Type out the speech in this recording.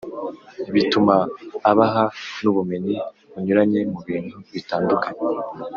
bituma abaha n’ubumenyi bunyuranye mu bintu bitandukanye